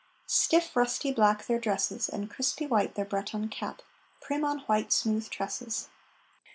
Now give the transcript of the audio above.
Stiff rusty black their dresses, And crispy white their Breton cap, Prim on white, smooth tresses.